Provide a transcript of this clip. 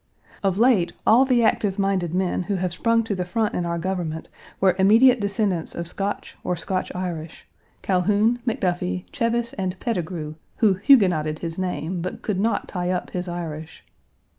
Of late, all the active minded men who have sprung to the front in our government were immediate descendants of Scotch, or Scotch Irish Calhoun, McDuffie, Cheves, and Petigru, who Huguenotted his name, but could not tie up his Irish.